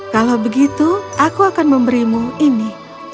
kalau begitu aku akan memberimu ini